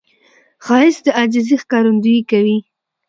ښایست د عاجزي ښکارندویي کوي